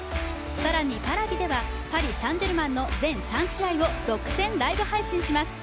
更にＰａｒａｖｉではパリ・サン＝ジェルマンの全３試合を独占ライブ配信します。